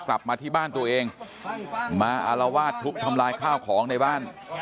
กลับมาที่บ้านตัวเองมาอารวาสทุบทำลายข้าวของในบ้าน